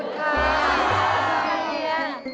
ขอบคุณค่ะ